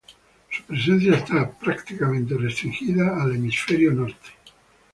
Su presencia está prácticamente restringida al Hemisferio Norte.